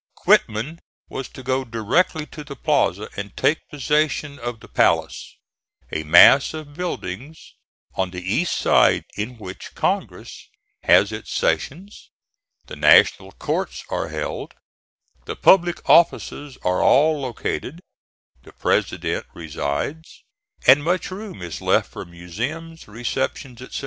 Quitman was to go directly to the Plaza, and take possession of the Palace a mass of buildings on the east side in which Congress has its sessions, the national courts are held, the public offices are all located, the President resides, and much room is left for museums, receptions, etc.